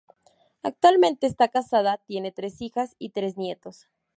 Actualmente está casada, tiene tres hijas y tres nietos.